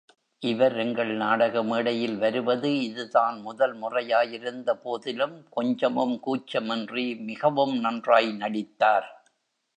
இவர் எங்கள் நாடக மேடையில் வருவது இதுதான் முதல் முறையாயிருந்த போதிலும், கொஞ்சமும் கூச்சமின்றி மிகவும் நன்றாய் நடித்தார்.